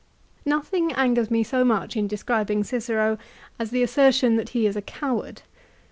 Nothing angers me so much in describing Cicero as the assertion that he is a coward.